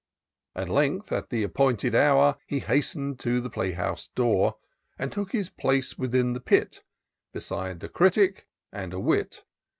At length, at the appointed hour. He hasten'd to the playhouse door, And took his place within the pit, Beside a critic and a wit.